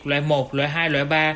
loại một loại hai loại ba